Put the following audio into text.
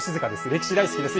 歴史大好きです。